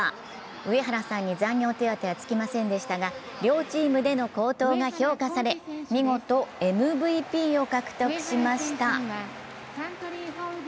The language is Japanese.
上原さんに残業手当はつきませんでしたが、両チームでの好投が評価され見事ＭＶＰを獲得しました。